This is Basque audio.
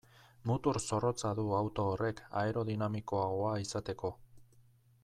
Mutur zorrotza du auto horrek aerodinamikoagoa izateko.